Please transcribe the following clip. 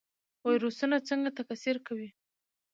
ویروسونه څنګه تکثیر کوي؟